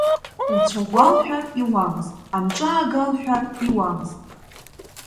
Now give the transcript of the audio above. Уцәаӷәа лҳәар иуамызт, амҿы аага лҳәар иуамызт.